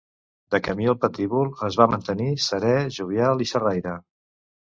De camí al patíbul es va mantenir serè, jovial i xerraire.